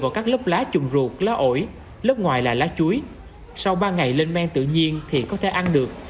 vào các lớp lá trùng ruột lá ổi lớp ngoài là lá chuối sau ba ngày lên men tự nhiên thì có thể ăn được